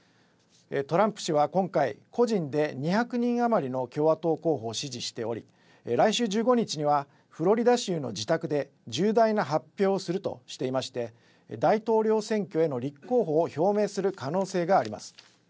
トランプ氏は今回、個人で２００人余りの共和党候補を支持しており、来週１５日にはフロリダ州の自宅で重大な発表をするとしていまして大統領選挙への立候補を表明する可能性があります。